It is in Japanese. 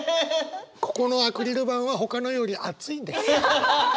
ここのアクリル板はほかのより厚いんです。